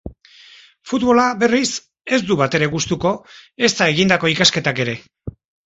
Futbola, berriz, ez du batere gustuko, ezta egindako ikasketak ere.